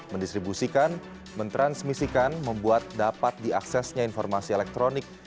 mendistribusikan mentransmisikan membuat dapat diaksesnya informasi elektronik